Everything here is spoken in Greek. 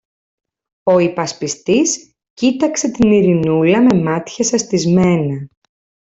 Ο υπασπιστής κοίταξε την Ειρηνούλα με μάτια σαστισμένα.